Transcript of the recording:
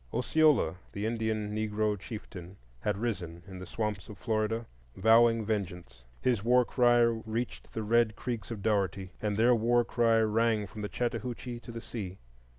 Osceola, the Indian Negro chieftain, had risen in the swamps of Florida, vowing vengeance. His war cry reached the red Creeks of Dougherty, and their war cry rang from the Chattahoochee to the sea.